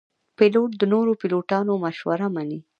پیلوټ د نورو پیلوټانو مشوره مني.